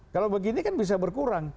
kalau begini kan bisa berkurang